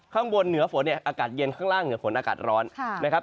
ข้างบนเหนือฝนเนี่ยอากาศเย็นข้างล่างเหนือฝนอากาศร้อนนะครับ